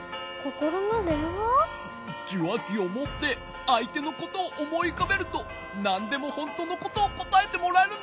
じゅわきをもってあいてのことをおもいうかべるとなんでもほんとのことをこたえてもらえるんだ。